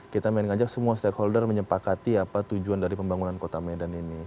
kita mengajak semua stakeholder menyepakati apa tujuan dari pembangunan kota medan ini